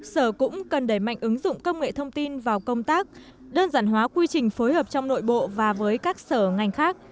sở cũng cần đẩy mạnh ứng dụng công nghệ thông tin vào công tác đơn giản hóa quy trình phối hợp trong nội bộ và với các sở ngành khác